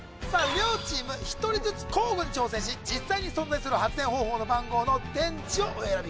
両チーム１人ずつ交互に挑戦し実際に存在する発電方法の番号の電池をお選び